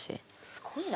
すごいな。